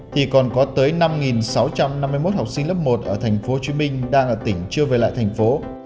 thì còn có tới năm sáu trăm năm mươi một học sinh lớp một ở tp hcm đang ở tỉnh chưa về lại thành phố